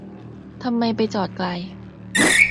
ทำไมไปจอดไกล